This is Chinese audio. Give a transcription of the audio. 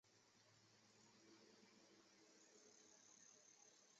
该物种的模式产地在海南五指山。